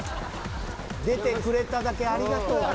出てくれただけ、ありがとう。